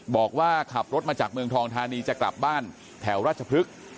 บอกว่าขับรถมาจากเมืองทองธานีจะกลับบ้านแถวราชพฤกษ์